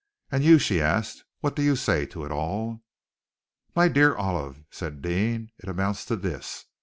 "And you?" she asked. "What do you say to it all?" "My dear Olive," said Deane, "it amounts to this.